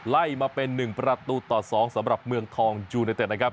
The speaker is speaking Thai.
ไล่มาเป็น๑ประตูต่อ๒สำหรับเมืองทองยูเนเต็ดนะครับ